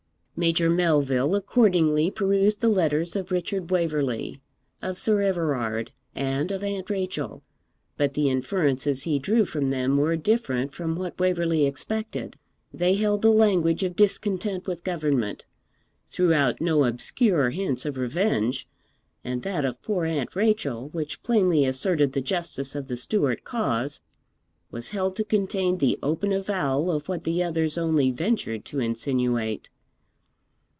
Major Melville accordingly perused the letters of Richard Waverley, of Sir Everard, and of Aunt Rachel; but the inferences he drew from them were different from what Waverley expected. They held the language of discontent with government, threw out no obscure hints of revenge, and that of poor Aunt Rachel, which plainly asserted the justice of the Stuart cause, was held to contain the open avowal of what the others only ventured to insinuate.